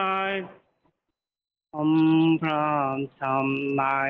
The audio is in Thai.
ประเทศไทยคำสัมมุติธรรมชาติไหน